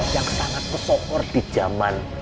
yang sangat pesokor di zaman